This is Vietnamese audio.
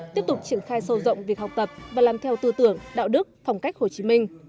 tiếp tục triển khai sâu rộng việc học tập và làm theo tư tưởng đạo đức phong cách hồ chí minh